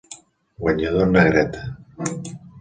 Guanyador en negreta.